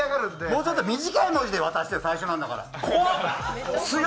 もうちょっと短いもので渡して、最初なんだから。